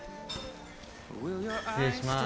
失礼します。